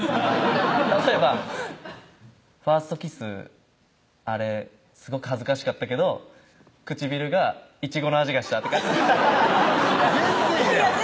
例えば「ファーストキスあれすごく恥ずかしかったけど唇がいちごの味がした」って全然いいやん